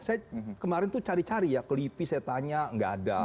saya kemarin tuh cari cari ya ke lipi saya tanya nggak ada